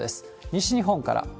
西日本から。